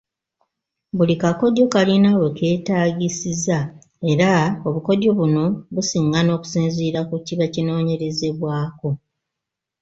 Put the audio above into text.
Buli kakodyo kalina we keetaagisiza era obukodyo buno busiŋŋana okusinziira ku kiba kinoonyerezebwako.